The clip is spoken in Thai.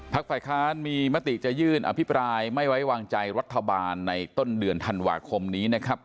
ฝ่ายค้านมีมติจะยื่นอภิปรายไม่ไว้วางใจรัฐบาลในต้นเดือนธันวาคมนี้นะครับ